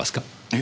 え？